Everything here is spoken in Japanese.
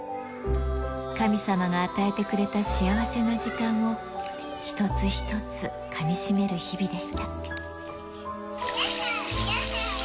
神様が与えてくれた幸せな時間を、一つ一つかみしめる日々でした。